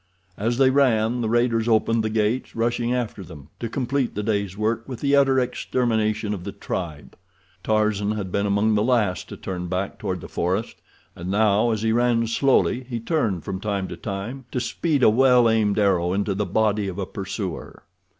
As they ran the raiders opened the gates, rushing after them, to complete the day's work with the utter extermination of the tribe. Tarzan had been among the last to turn back toward the forest, and now, as he ran slowly, he turned from time to time to speed a well aimed arrow into the body of a pursuer.